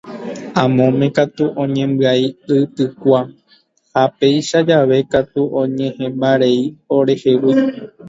Amóme katu oñembyai y tykua ha péicha jave katu oñehẽmbarei orehegui.